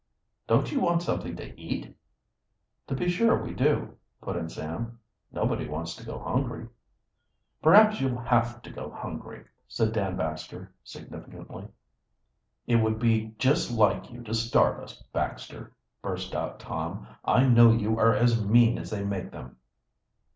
"Don't you want something to eat?" "To be sure we do," put in Sam. "Nobody wants to go hungry." "Perhaps you'll have to go hungry," said Dan Baxter significantly. "It would be just like you to starve us, Baxter!" burst out Tom. "I know you are as mean as they make them."